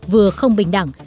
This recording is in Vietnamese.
vừa không bình đẳng